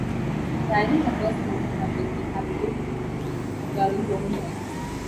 The islands are first known to have been inhabited during Roman times.